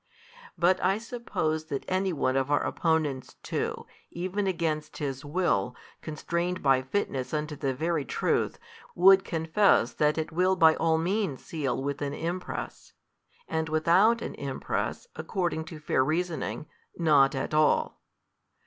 But I suppose that any one of our opponents too, even against his will constrained by fitness unto the very truth would confess that it will by all means seal with an impress; and without an impress, according to fair reasoning, not at all.